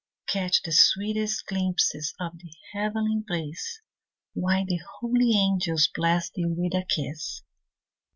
Catch the sweetest glimpses of the heavenly bliss, While the holy angels bless thee with a kiss.